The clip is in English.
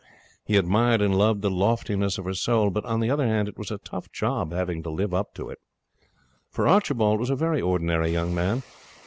He admired and loved the loftiness of her soul, but, on the other hand, it was a tough job having to live up to it. For Archibald was a very ordinary young man.